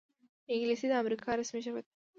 انګلیسي د امریکا رسمي ژبه ده